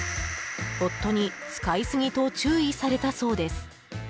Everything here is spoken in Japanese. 夫に、使いすぎと注意されたそうです。